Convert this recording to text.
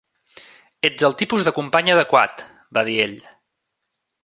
"Ets el tipus de company adequat", va dir ell.